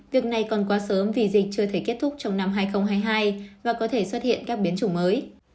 việc này còn quá sớm vì dịch chưa thể kết thúc trong năm hai nghìn hai mươi hai và có thể xuất hiện các biến chủng mới